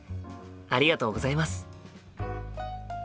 ありがとうございます。